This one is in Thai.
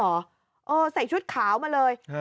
ใส่ชุดขาวมาเลย